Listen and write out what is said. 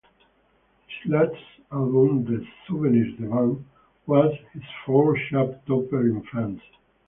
His latest album, "Des souvenirs devant", was his fourth chart-topper in France.